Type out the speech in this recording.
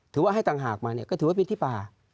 ให้ต่างหากมาเนี่ยก็ถือว่าเป็นที่ป่า